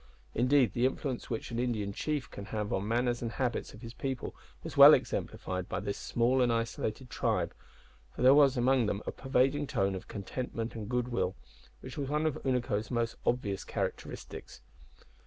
Indeed, the influence which an Indian chief can have on the manners and habits of his people was well exemplified by this small and isolated tribe, for there was among them a pervading tone of contentment and goodwill, which was one of Unaco's most obvious characteristics.